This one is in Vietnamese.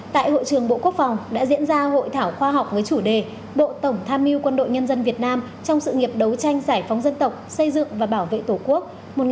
tại hội trường bộ quốc phòng đã diễn ra hội thảo khoa học với chủ đề bộ tổng tham mưu quân đội nhân dân việt nam trong sự nghiệp đấu tranh giải phóng dân tộc xây dựng và bảo vệ tổ quốc một nghìn chín trăm bốn mươi năm hai nghìn hai mươi